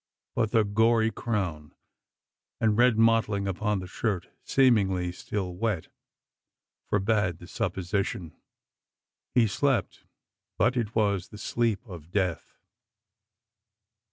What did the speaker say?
But the gory crown, and red mottling upon the shirt seemingly still wet forbade the supposition. He slept; but it was the sleep of death!